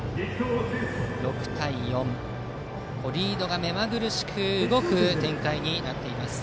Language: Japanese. ６対４とリードがめまぐるしく動く展開になっています